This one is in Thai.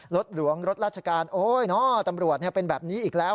หลวงรถราชการโอ๊ยเนอะตำรวจเป็นแบบนี้อีกแล้ว